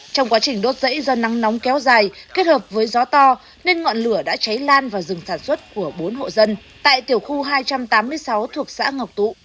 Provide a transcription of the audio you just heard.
trong quá trình đốt dãy do nắng nóng kéo dài kết hợp với gió to nên ngọn lửa đã cháy lan vào rừng sản xuất của bốn hộ dân tại tiểu khu hai trăm tám mươi sáu thuộc xã ngọc tụ